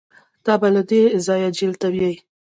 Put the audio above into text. تا به له دې ځايه جېل ته بيايي.